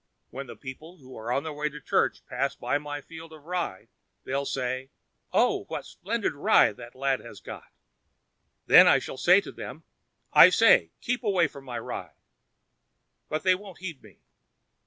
When the people who are on their way to church pass by my field of rye they'll say: 'Oh, what splendid rye that lad has got!' Then I shall say to them: 'I say, keep away from my rye!' But they won't heed me.